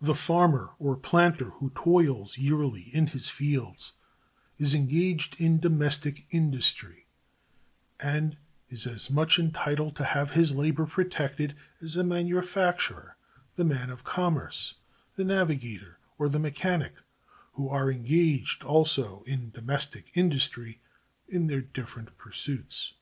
The farmer or planter who toils yearly in his fields is engaged in "domestic industry," and is as much entitled to have his labor "protected" as the manufacturer, the man of commerce, the navigator, or the mechanic, who are engaged also in "domestic industry" in their different pursuits.